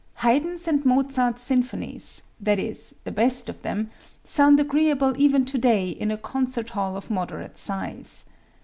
Haydn's and Mozart's symphonies that is, the best of them sound agreeable even to day in a concert hall of moderate size.